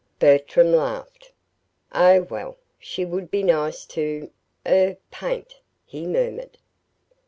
Bertram laughed. "Oh, well, she would be nice to er paint," he murmured.